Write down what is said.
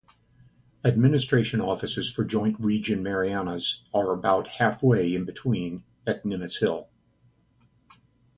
Administration offices for Joint Region Marianas are about half-way in between, at Nimitz Hill.